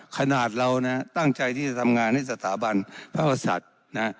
ขนาดเรานะตั้งใจที่จะทำงานให้สถาบันพระกษัตริย์นะ